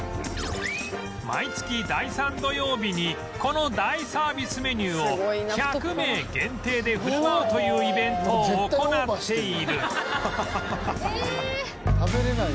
毎月第３土曜日にこの大サービスメニューを１００名限定で振る舞うというイベントを行っている